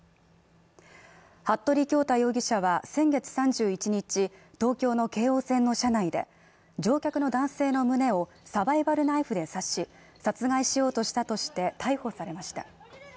服部恭太容疑者は先月３１日、東京の京王線の車内で乗客の男性の胸をサバイバルナイフで刺し殺害しようとしたとして逮捕されました。